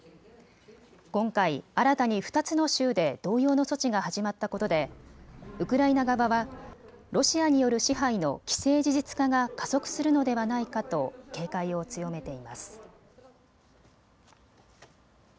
今回、新たに２つの州で同様の措置が始まったことでウクライナ側はロシアによる支配の既成事実化が加速するのではないかと警戒を強めています。